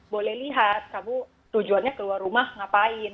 boleh lihat kamu tujuannya keluar rumah ngapain